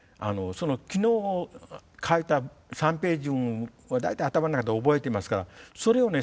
昨日書いた３ページ分は大体頭の中で覚えてますからそれをね